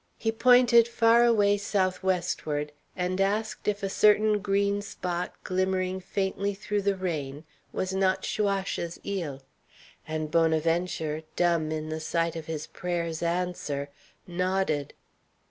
He pointed far away south westward, and asked if a certain green spot glimmering faintly through the rain was not Chaouache's île; and Bonaventure, dumb in the sight of his prayer's answer, nodded.